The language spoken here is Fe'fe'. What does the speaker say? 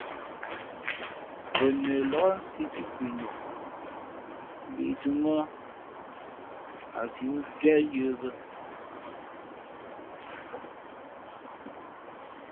Pά nəlāk sī pí pʉnok, mbīʼtū mά a síʼ njwéh yə̌ bᾱ.